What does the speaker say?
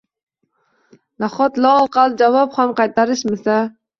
«Nahot, loaqal javob ham qaytarmasa?!